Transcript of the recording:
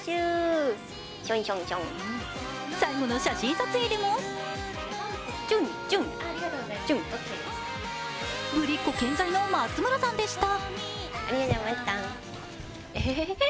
最後の写真撮影でもぶりっこ健在の松村さんでした。